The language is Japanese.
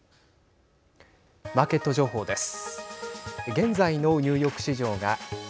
マーケット情報です。